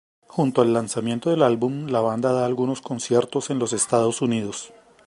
Junto al lanzamiento del álbum, la banda da algunos conciertos en los Estados Unidos.